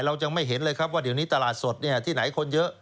เรายังไม่เห็นเลยครับว่าเดี๋ยวนี้ตลาดสดที่ไหนคนเยอะ